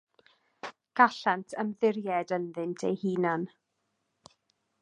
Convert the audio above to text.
Gallant ymddiried ynddynt eu hunain.